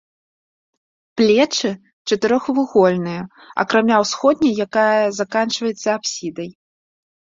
Плечы чатырохвугольныя, акрамя ўсходняй, якая заканчваецца апсідай.